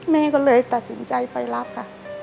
แม่ก็เลยตัดสินใจไปรับค่ะ